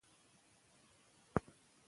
دوی د خپل هېواد لپاره کار کوي.